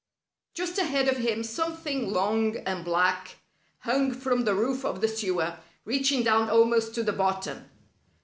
Just ahead of him something long and black hung from the roof of the sewer, reaching down almost to the bottom.